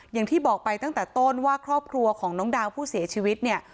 อย่างที่บอกไปตั้งแต่ต้นว่าครอบครัวของน้องดาวผู้เสียชีวิตเนี่ย